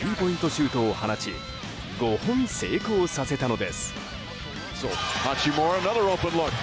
シュートを放ち５本成功させたのです。